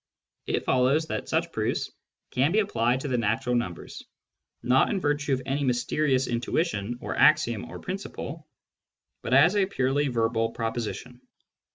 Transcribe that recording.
It follows that such proofs can be applied to the natural numbers, not in virtue of any mysterious intuition or axiom or principle, but as a purely verbal proposition.